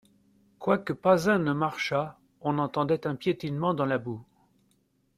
Quoique pas un ne marchât, on entendait un piétinement dans la boue.